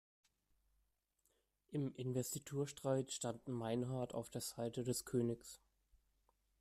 Im Investiturstreit stand Meinhard auf der Seite des Königs.